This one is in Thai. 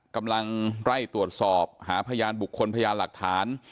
กำลังไล่ตรวจสอบหาพยานบุคคลพยานหลักฐาน